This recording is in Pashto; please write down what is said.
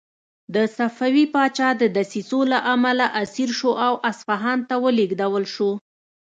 د صفوي پاچا د دسیسو له امله اسیر شو او اصفهان ته ولېږدول شو.